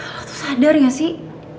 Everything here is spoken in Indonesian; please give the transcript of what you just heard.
aku tuh sadar gak sih